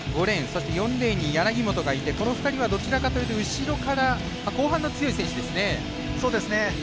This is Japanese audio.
そして４レーンに柳本がいてこの２人は、どちらかというと後ろから後半の強い選手ですよね。